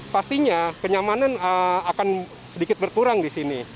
pastinya kenyamanan akan sedikit berkurang disini